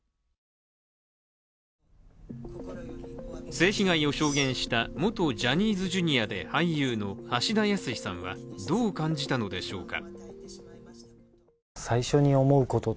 性被害を証言した元ジャニーズＪｒ．で俳優の橋田康さんはどう感じたのでしょうか。